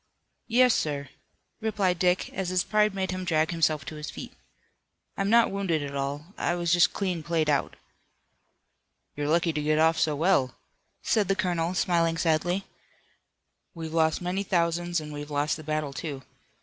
"Yes, sir," replied Dick, as his pride made him drag himself to his feet. "I'm not wounded at all. I was just clean played out." "You're lucky to get off so well," said the colonel, smiling sadly. "We've lost many thousands and we've lost the battle, too.